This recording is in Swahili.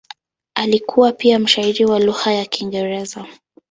Alikuwa pia mshairi wa lugha ya Kiingereza.